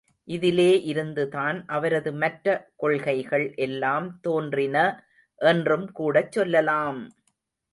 இதிலே இருந்துதான் அவரது மற்ற கொள்கைள் எல்லாம் தோன்றின என்றும் கூடச் சொல்லலாம்!